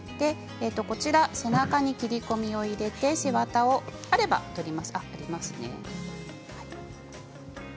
こちら背中に切り込みを入れて背わたがあれば取ります。